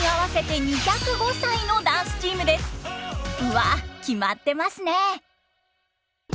わあ決まってますね